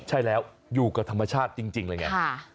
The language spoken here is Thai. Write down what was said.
ใช่แล้วอยู่กับธรรมชาติจริงเลยไง